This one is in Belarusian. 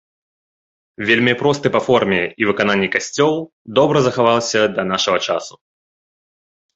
Вельмі просты па форме і выкананні касцёл добра захаваўся да нашага часу.